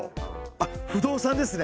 あっ不動産ですね。